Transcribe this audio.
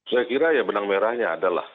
saya kira ya benang merahnya adalah